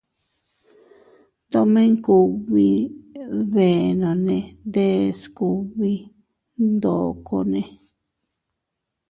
Tomen kugbi dbenonne deʼes kugbi ndokonne.